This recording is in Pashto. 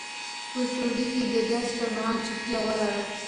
په ټولګي کې د درس پر مهال چوپتیا غوره ده.